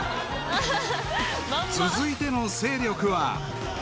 ［続いての勢力は］